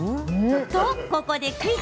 と、ここでクイズ。